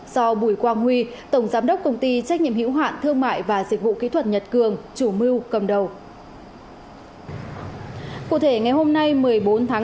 do bùi quang huy tổng giám đốc công ty trách nhiệm hữu hạn thương mại và dịch vụ kỹ thuật nhật cường chủ mưu cầm đầu